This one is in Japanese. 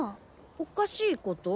おかしいこと？